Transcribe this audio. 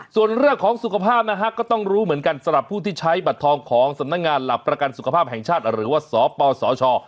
ส่วนเรื่องของสุขภาพนะฮะก็ต้องรู้เหมือนกันสำหรับผู้ที่ใช้บัตรทองของสำนักงานหลักประกันสุขภาพแห่งชาติหรือว่าสปสช